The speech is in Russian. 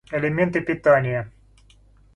Элементы питания